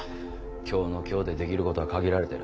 今日の今日でできることは限られてる。